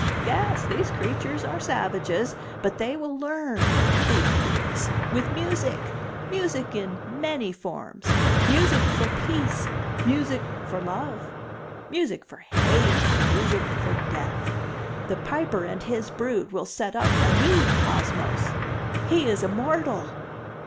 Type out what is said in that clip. "Yes, these creatures are savages, but they will learn these brutes with music. Music in many forms music for peace, music for love music for hate and music for death. The Piper and his brood will set up a new cosmos. He is immortal!"